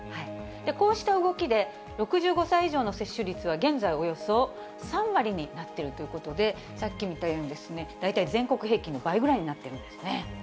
こうした動きで、６５歳以上の接種率は、現在およそ３割になっているということで、さっき見たように、大体、全国平均の倍ぐらいになっているんですね。